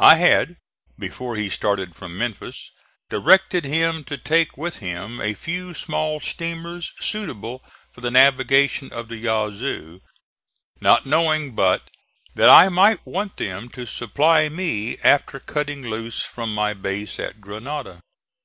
I had, before he started from Memphis, directed him to take with him a few small steamers suitable for the navigation of the Yazoo, not knowing but that I might want them to supply me after cutting loose from my base at Grenada.